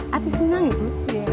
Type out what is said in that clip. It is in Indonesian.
hati senang itu